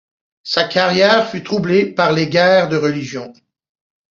Sa carrière fut troublée par les guerres de religion.